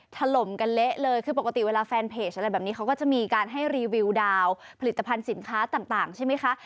ถล่มกันเละเลยคือปกติเวลาแฟนเพจอะไรแบบนี้เขาก็จะมีการให้รีวิวดาวน์ผลิตภัณฑ์สินค้าต่างใช่ไหมคะ